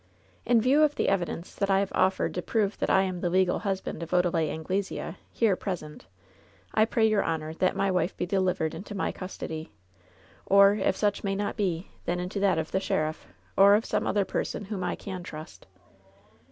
"In view of the evidence that I have offered to prove that I am the legal husband of Odalite Anglesea, here present, I pray your honor that my wife be delivered into my custody, or if such may not be, then into that of the sheriff, or of some other person whom I can trust."